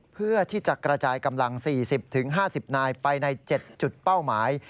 เพื่อที่จะกระจายกำลัง๔๐๕๐นายไปใน๗จุดเป้าหมาย